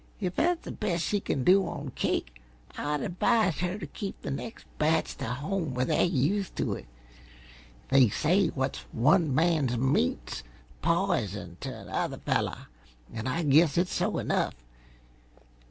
If that's the best she c'n do on cake I'd advise 'er to keep the next batch t' home where they're used to it. They say't 'What's one man's meat 's pizen t' the other feller,' and I guess it's so enough.